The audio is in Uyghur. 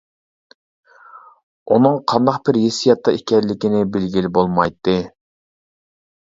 ئۇنىڭ قانداق بىر ھېسسىياتتا ئىكەنلىكىنى بىلگىلى بولمايتتى.